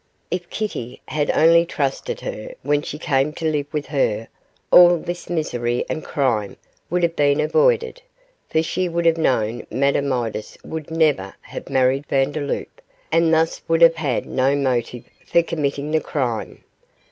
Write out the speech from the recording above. If Kitty had only trusted her when she came to live with her all this misery and crime would have been avoided, for she would have known Madame Midas would never have married Vandeloup, and thus would have had no motive for committing the crime.